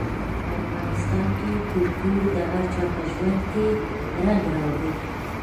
په افغانستان کې کلتور د هر چا په ژوند کې رنګ راوړي.